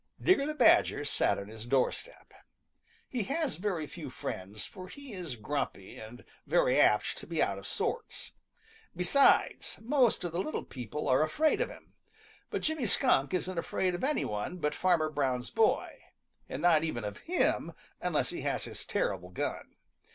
Digger the Badger sat on his doorstep. He has very few friends, for he is grumpy and very apt to be out of sorts. Besides, most of the little Meadow people are afraid of him. But Jimmy Skunk isn't afraid of any one but Farmer Brown's boy, and not even of him unless he has his terrible gun.